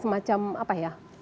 semacam apa ya